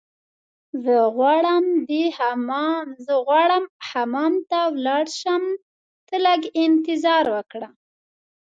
زه غواړم حمام ته ولاړ شم، ته لږ انتظار وکړه.